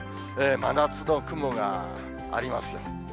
真夏の雲があります。